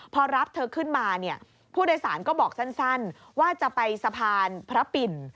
พอรับเธอขึ้นมาเนี่ยผู้โดยสารก็บอกสั้นว่าจะไปสะพานพระปิ่น